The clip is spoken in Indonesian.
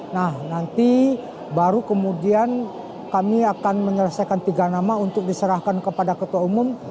nah nanti baru kemudian kami akan menyelesaikan tiga nama untuk diserahkan kepada ketua umum